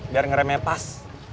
biar ngeremnya pas